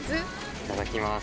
いただきます。